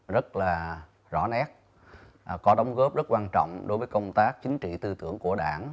rất là rõ nét có đóng góp rất quan trọng đối với công tác chính trị tư tưởng của đảng